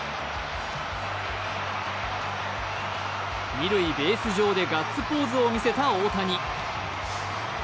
二塁ベース上でガッツポーズを見せた大谷。